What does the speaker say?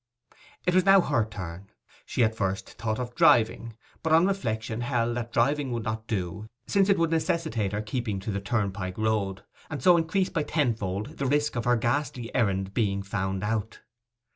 It was now her turn. She at first had thought of driving, but on reflection held that driving would not do, since it would necessitate her keeping to the turnpike road, and so increase by tenfold the risk of her ghastly errand being found out.